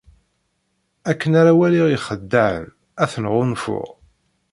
Akken ara waliɣ ixeddaɛen, ad ten-ɣunfuɣ.